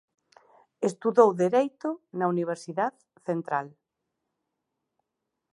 Estudou Dereito na Universidad Central.